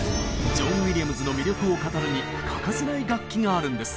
ジョン・ウィリアムズの魅力を語るに欠かせない楽器があるんです！